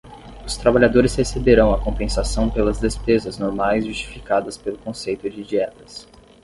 Os trabalhadores receberão a compensação pelas despesas normais justificadas pelo conceito de dietas.